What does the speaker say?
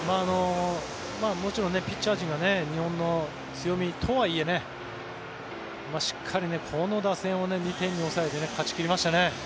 もちろんピッチャー陣が日本の強みとはいえしっかりこの打線を２点に抑えて勝ち切りましたね。